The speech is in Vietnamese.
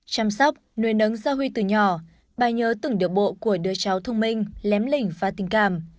chăm sóc nuôi nấng xa huy từ nhỏ bà nhớ từng điểm bộ của đứa cháu thông minh lém lỉnh và tình cảm